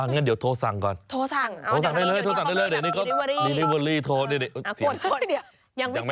เห็นเดี๋ยวโทรสั่งก่อนโทรสั่ง